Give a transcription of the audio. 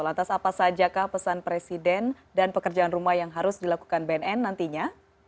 lantas apa saja kah pesan presiden dan pekerjaan rumah yang harus dilakukan bnn nantinya